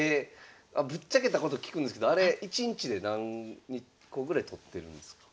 ぶっちゃけたこと聞くんですけどあれ１日で何個ぐらい撮ってるんですか？